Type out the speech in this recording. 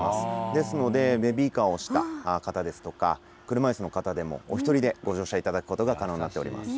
ですので、ベビーカーを押した方ですとか、車いすの方でもお一人でご乗車いただくことが可能となっています。